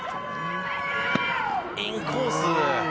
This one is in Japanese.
インコース！